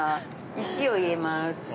石を入れまーす。